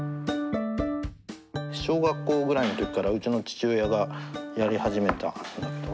小学校ぐらいの時からうちの父親がやり始めたことだけど。